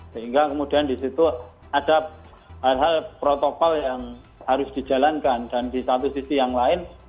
sehingga kemudian di situ ada hal hal protokol yang harus dijalankan dan di satu sisi yang lain